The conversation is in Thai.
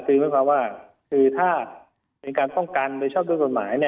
คือว่าว่าถ้าเป็นการฟังกันแต่เช่าเกอร์กฎหมาย